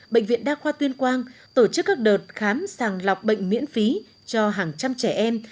bệnh viện đa khoa tuyên quang tổ chức các đợt khám sàng lọc bệnh miễn phí cho hàng trăm trẻ em